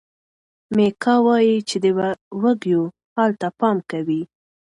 میکا وایي چې د وږیو حال ته پام کوي.